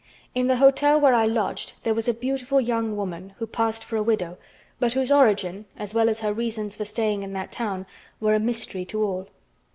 In the hotel where I lodged there was a beautiful young woman who passed for a widow but whose origin, as well as her reasons for staying in that town, were a mystery to all.